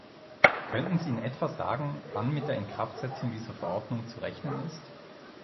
Könnten Sie in etwa sagen, wann mit der Inkraftsetzung dieser Verordnung zu rechnen ist?